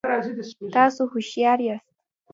تاسو هوښیار یاست